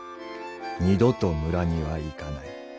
二度と村には行かない」。